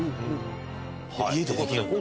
家でできるんだ。